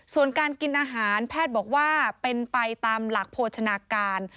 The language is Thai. ส่วนการกินอาหารแพทย์บอกว่าเป็นไปตามหลักโภชนาการ